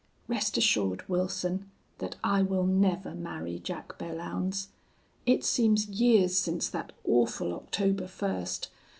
"Rest assured, Wilson, that I will never marry Jack Belllounds. It seems years since that awful October first.